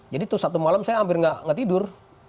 jadi tuh satu malam saya hampir gak tidur